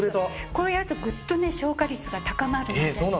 こうやるとぐっとね消化率が高まるので。